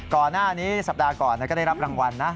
ก่อนหน้านี้สัปดาห์ก่อนก็ได้รับรางวัลนะ